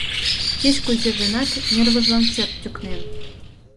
Кеч-кузе гынат, нервыжлан чот тӱкнен.